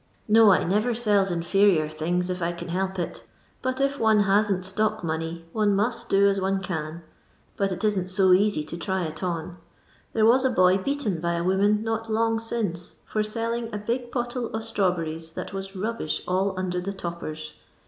No, I never sells inferior things if I can hdp it, but if one hasn't stock money one must do as one can, but it isn't BO easy to try it on. There was a boy beaten by a woman not louff since for selling a b^ pottle of strawberries that was rubbish all nnder the toppers.